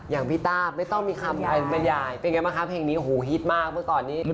อย่างพี่ต้าไม่ต้องมีคำบรรยายเป็นไงบ้างคะเพลงนี้โอ้โหฮิตมากเมื่อก่อนนี้